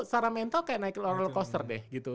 secara mental kayak naik oral coaster deh gitu